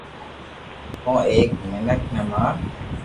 ڪو ايڪ مينک ني مار